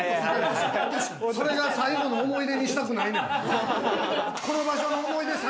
それが最後の思い出にしたくないねん。